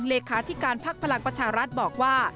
เลขาธิการพักพลังประชารัฐบอกว่า